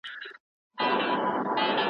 په زړه کافره زه دې ډېر ښه پېژنمه